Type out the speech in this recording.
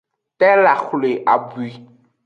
Tela xwle abwui.